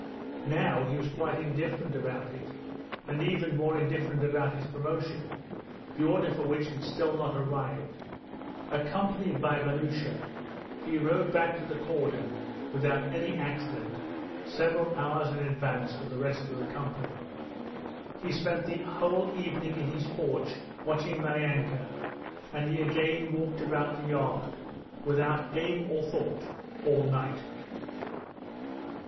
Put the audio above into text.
Now he was quite indifferent about it, and even more indifferent about his promotion, the order for which had still not arrived. Accompanied by Vanyusha he rode back to the cordon without any accident several hours in advance of the rest of the company. He spent the whole evening in his porch watching Maryanka, and he again walked about the yard, without aim or thought, all night.